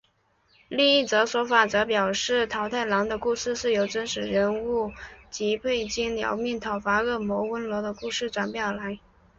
另一则说法则表示桃太郎的故事是由真实人物吉备津彦命讨伐恶鬼温罗的故事转变而来。